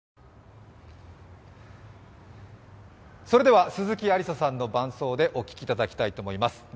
それでは鈴木さんの伴奏でお聞きいただきたいと思います。